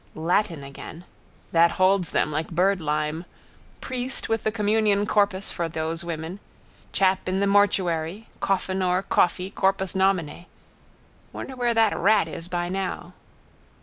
_ Latin again. That holds them like birdlime. Priest with the communion corpus for those women. Chap in the mortuary, coffin or coffey, corpusnomine. Wonder where that rat is by now.